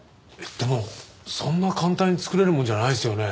でもそんな簡単に作れるものじゃないですよね？